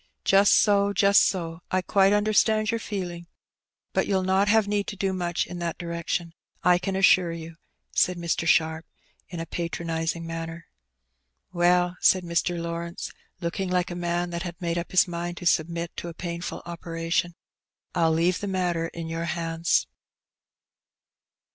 ^^ Just so, just so. I quite understand your feeUng. But you'll not have need to do much in that direction, I can assure you,'* said Mr. Sharp, in a patronizing manner. "Well," said Mr. Lawrence, looking like a man that had made up his mind to submit to a painful operation, '^ I'll leave the matter in your hands."